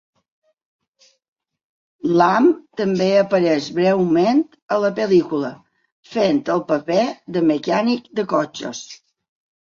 Lam també apareix breument a la pel·lícula fent el paper de mecànic de cotxes.